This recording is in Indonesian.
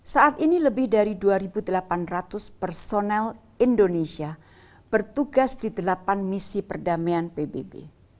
saat ini lebih dari dua delapan ratus personel indonesia bertugas di delapan misi perdamaian pbb